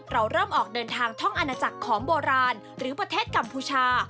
เราเริ่มออกเดินทางท่องอาณาจักรของโบราณหรือประเทศกัมพูชา